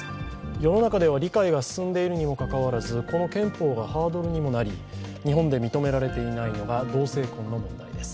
世の中では理解が進んでいるにもかかわらず、この憲法がハードルにもなり日本で認められていないのが同性婚の問題です。